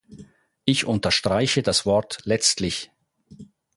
Ich unterstreiche das Wort "letztlich".